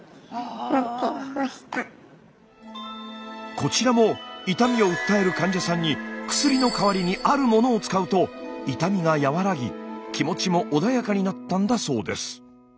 こちらも痛みを訴える患者さんにを使うと痛みが和らぎ気持ちも穏やかになったんだそうです。